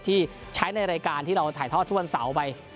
ที่ใช้ในรายการที่เราถ่ายทอดทุกวันเสาร์ไป